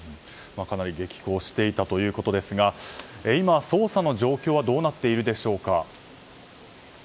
かなり激高していたということですが今、捜査の状況はどうなっているでしょうか。